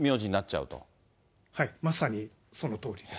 はい、まさにそのとおりです。